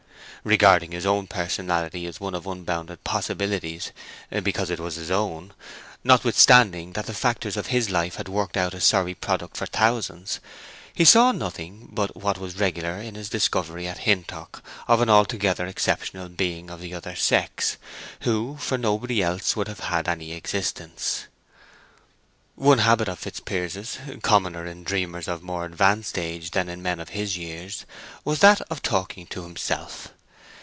Regarding his own personality as one of unbounded possibilities, because it was his own—notwithstanding that the factors of his life had worked out a sorry product for thousands—he saw nothing but what was regular in his discovery at Hintock of an altogether exceptional being of the other sex, who for nobody else would have had any existence. One habit of Fitzpiers's—commoner in dreamers of more advanced age than in men of his years—was that of talking to himself.